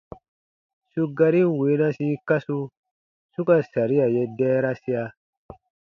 Su garin weenasi kasu su ka saria ye dɛɛrasia :